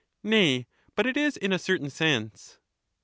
Nay, but it is in a certain sense.